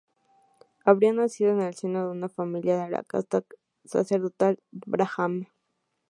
Habría nacido en el seno de una familia de la casta sacerdotal brahmán.